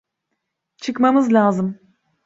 Çıkmamız lazım.